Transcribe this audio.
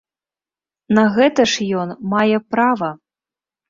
На гэта ж ён мае права!